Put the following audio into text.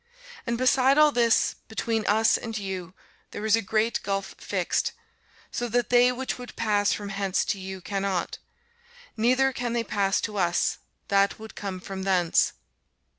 And beside all this, between us and you there is a great gulf fixed: so that they which would pass from hence to you cannot; neither can they pass to us, that would come from thence.